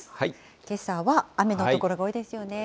けさは雨の所が多いですよね。